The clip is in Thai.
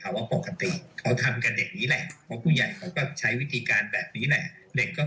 แล้วเด็กเขาจะมีภาพจำกับเหตุการณ์แบบนี้ไหมครับ